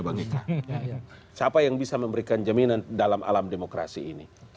siapa yang bisa memberikan jaminan dalam alam demokrasi ini